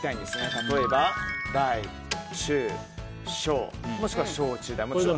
例えば、大・中・小もしくは小・中・大。